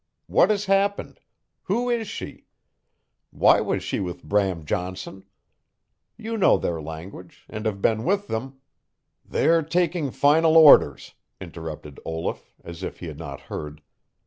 What has happened? Who is she? Why was she with Bram Johnson? You know their language, and have been with them " "They're taking final orders," interrupted Olaf, as if he had not heard.